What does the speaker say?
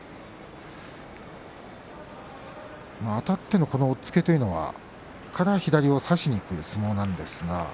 あたって押っつけというのは左を差しにいく相撲なんですか。